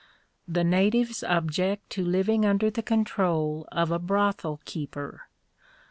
The natives object to living under the control of a brothel keeper.